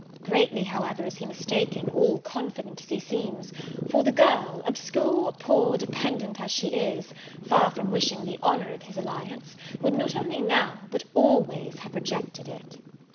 Greatly, however, is he mistaken, all confident as he seems; for the girl, obscure, poor, dependent as she is, far from wishing the honour of his alliance, would not only now, but always have rejected it.